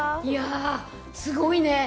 いやぁ、すごいね。